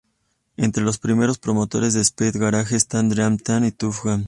Entre los primeros promotores de speed garage están Dream Team y Tuff Jam.